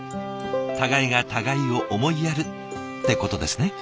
互いが互いを思いやるってことですね。